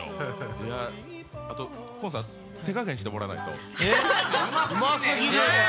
あと河野さん、手加減してもらわないと。